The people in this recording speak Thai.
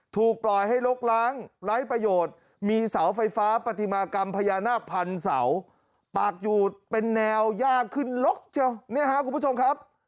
ถูกปล่อยให้ลกล้างไร้ประโยชน์มีเสาไฟฟ้าปฏิมากรรมพญานาพันเสาปากหยูดเป็นแนวยากขึ้นลกเจ้า